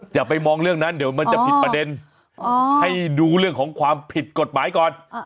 อย่าไปมองเรื่องนั้นเดี๋ยวมันจะผิดประเด็นให้ดูเรื่องของความผิดกฎหมายก่อน